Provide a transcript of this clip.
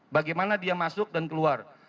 bagaimana dia masuk dan keluar